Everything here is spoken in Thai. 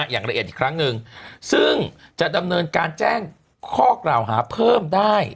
อย่างละเอียดอีกครั้งหนึ่งซึ่งจะดำเนินการแจ้งข้อกล่าวหาเพิ่มได้